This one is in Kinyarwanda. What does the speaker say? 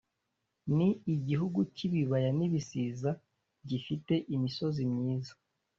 ni igihugu cy'ibibaya n'ibisiza, gifite imisozi myiza